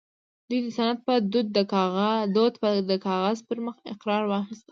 دوی د سند په دود د کاغذ پر مخ اقرار واخيسته